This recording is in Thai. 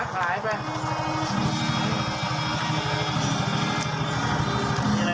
ขายไป